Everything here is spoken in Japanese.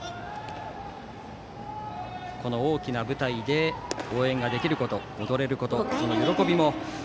この大きな舞台で応援ができること踊れることの喜びも。